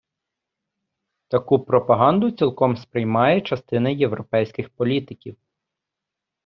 Таку пропаганду цілком сприймає частина європейських політиків.